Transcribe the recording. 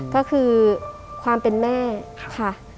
ก็คือความเป็นแม่ค่ะ